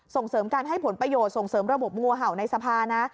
ส่งเสริมการให้ผลประโยชน์ส่งเสริมระบบงูเห่าในสภานะ